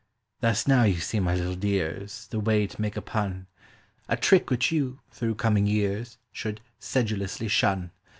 Thus now you see, my little dears, the way to make a pun; A trick which you, through coming years, should sedulously shun.